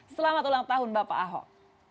selamat ulang tahun bapak ahok